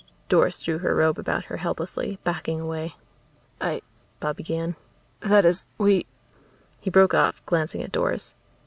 Doris drew her robe about her helplessly, backing away. "I " Bob began. "That is, we " He broke off, glancing at Doris.